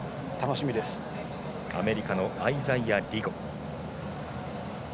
アメリカのアイザイア・リゴ。